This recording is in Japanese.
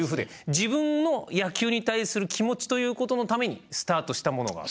自分の野球に対する気持ちということのためにスタートしたものがある？